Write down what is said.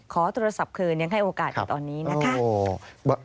ขอโทรศัพท์คืนยังให้โอกาสอยู่ตอนนี้นะคะ